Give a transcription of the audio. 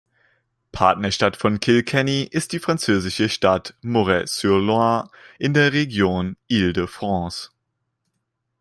Partnerstadt von Kilkenny ist die französische Stadt Moret-sur-Loing in der Region Île-de-France.